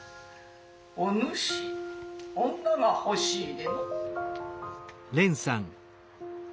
「おぬし女が欲しい」。